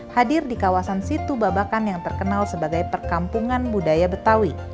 hadir di kawasan situ babakan yang terkenal sebagai perkampungan budaya betawi